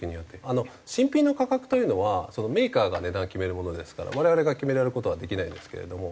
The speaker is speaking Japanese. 新品の価格というのはメーカーが値段決めるものですから我々が決める事はできないんですけれども。